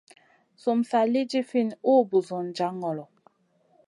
Sum sa lì ɗifinʼ ùh busun jaŋ ŋolo.